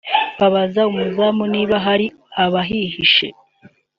babaza umuzamu niba hari abahihishe